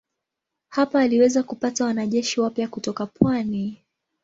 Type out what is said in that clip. Hapa aliweza kupata wanajeshi wapya kutoka pwani.